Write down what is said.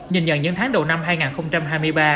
nhìn nhận những tháng đầu năm hai nghìn hai mươi ba